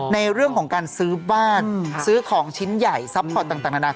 ในเรื่องของการซื้อบ้านซื้อของชิ้นใหญ่ซัพพอร์ตต่างนานา